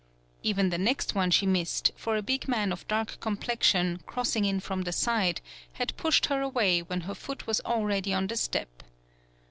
Even the next one she missed, for a big man of dark complexion, crossing in from the side, had pushed her away when her foot was already on the step.